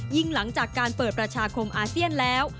หลังจากการเปิดประชาคมอาเซียนแล้ว